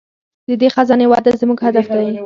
د دې خزانې وده زموږ هدف دی.